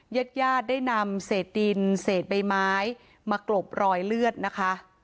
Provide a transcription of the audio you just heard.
ญาติญาติได้นำเศษดินเศษใบไม้มากรบรอยเลือดนะคะ